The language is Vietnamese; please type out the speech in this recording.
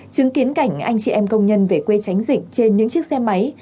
chứng kiến cảnh anh chị em công nhân về quê tránh dịch trên những chiếc xe máy